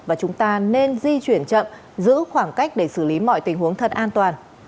và chúng ta nên di chuyển chậm giữ khoảng cách để xử lý mọi tình huống thật an toàn